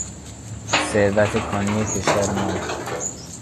ثروت کانی کشور ما